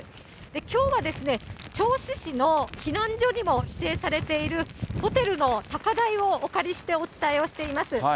きょうは銚子市の避難所にも指定されているホテルの高台をお借りしてお伝えをしています。